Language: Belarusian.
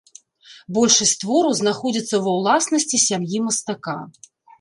Большасць твораў знаходзіцца ва ўласнасці сям'і мастака.